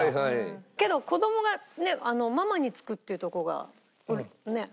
けど子供がママにつくっていうとこがねっ。